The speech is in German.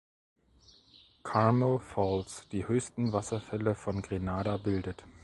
Carmel Falls die höchsten Wasserfälle von Grenada bildet.